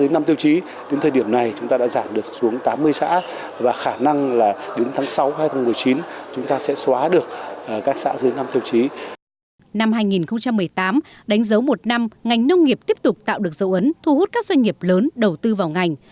năm hai nghìn một mươi tám đánh dấu một năm ngành nông nghiệp tiếp tục tạo được dấu ấn thu hút các doanh nghiệp lớn đầu tư vào ngành